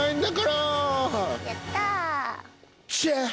チェッ！